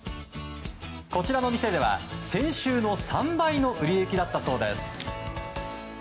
こちらの店では先週の３倍の売れ行きだったそうです。